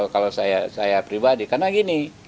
kalau saya pribadi karena gini